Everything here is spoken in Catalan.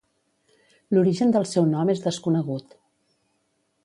L'origen del seu nom és desconegut.